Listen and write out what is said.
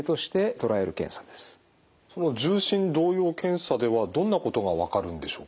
その重心動揺検査ではどんなことが分かるんでしょうか？